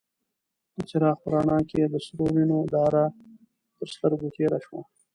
د څراغ په رڼا کې يې د سرو وينو داره تر سترګو تېره شوه.